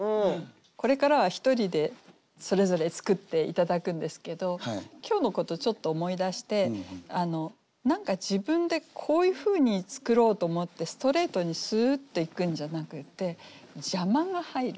これからは１人でそれぞれ作って頂くんですけど今日のことちょっと思い出して何か自分でこういうふうに作ろうと思ってストレートにすっといくんじゃなくって邪魔が入る。